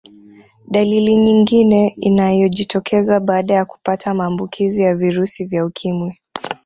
Dalili nyingine inayojitokeza baada ya kupata maambukizi ya virusi vya ukimwi